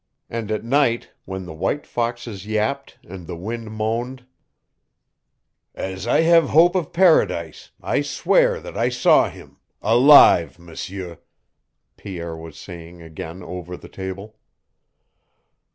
And at night, when the white foxes yapped, and the wind moaned "As I have hope of paradise I swear that I saw him alive, M'sieu," Pierre was saying again over the table.